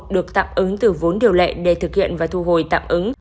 được tạm ứng từ vốn điều lệ để thực hiện và thu hồi tạm ứng